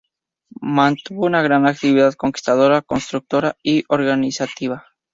Mantuvo una gran actividad conquistadora, constructora, y organizativa.